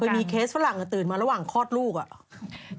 มีเคสฝรั่งตื่นมาระหว่างคลอดลูกอ่ะ